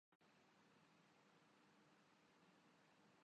آسان پر بادل چھاۓ ہوۓ ہیں